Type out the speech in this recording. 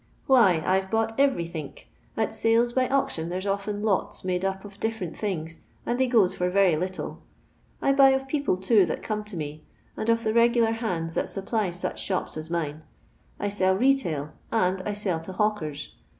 Why, I 've bought cverythink ; at sales by auction there's often 'lots' made up of difTcr ent things, and they goes for very little. I buy of people, too, that come to me, and of the re^ar hands that supply such shops as mine. I sell retail, and I Si'll to hawkers.